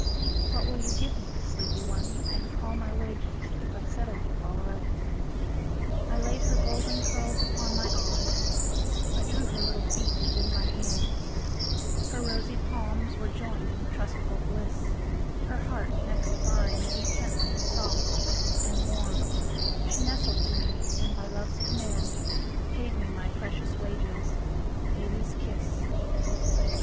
What will you give me, sleepy one, and callMy wages, if I settle you all right?I laid her golden curls upon my arm,I drew her little feet within my hand, Her rosy palms were joined in trustful bliss, Her heart next mine beat gently, soft and warmShe nestled to me, and, by Love's command, Paid me my precious wages—"Baby's Kiss."